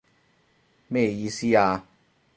咩意思啊？